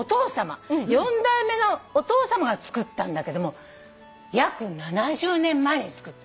４代目のお父さまが作ったんだけども約７０年前に作った。